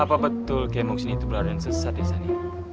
apa betul kem vpn itu pelarian sesat ya tani